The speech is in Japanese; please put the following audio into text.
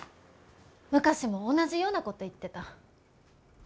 昔も同じようなこと言ってた。